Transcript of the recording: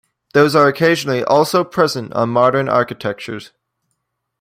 Those are occasionally also present on modern architectures.